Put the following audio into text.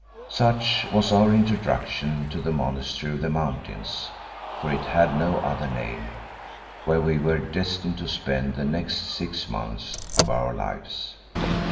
Such was our introduction to the Monastery of the Mountains for it had no other name where we were destined to spend the next six months of our lives.